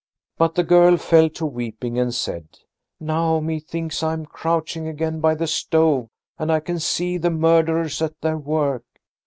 But the girl fell to weeping and said: "Now methinks I am crouching again by the stove and I can see the murderers at their work.